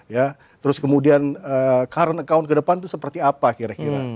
ya terus kemudian current account ke depan itu seperti apa kira kira